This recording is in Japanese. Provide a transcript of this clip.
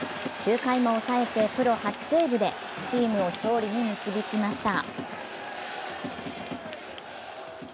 ９回も抑えてプロ初セーブでチームを勝利に導きました。